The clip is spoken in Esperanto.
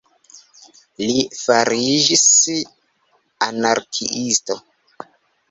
Li fariĝis anarkiisto.